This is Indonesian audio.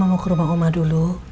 mama mau ke rumah oma dulu